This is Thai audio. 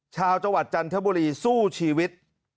ชาวจังหวัดจันทบุรีสู้ชีวิต